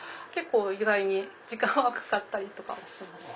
意外に時間はかかったりします。